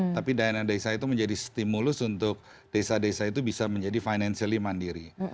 tapi dana desa itu menjadi stimulus untuk desa desa itu bisa menjadi financially mandiri